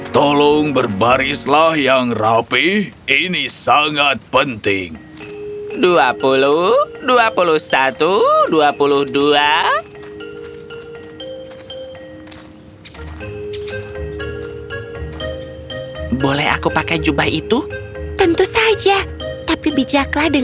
tolong berbarislah yang rapih ini sangat penting